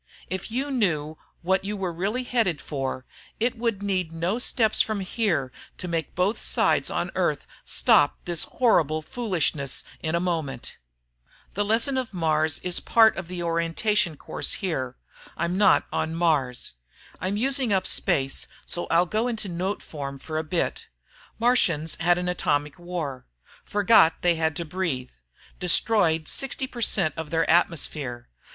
If you knew what you were really headed for, it would need no steps from here to make both sides on Earth stop this horrible foolishness in a moment. The lesson of Mars is part of the orientation course here. (I'm not on Mars). I'm using up space, so I'll go into note form for a bit. Martians had an atomic war forgot they had to breathe ... destroyed 60 per cent of their atmosphere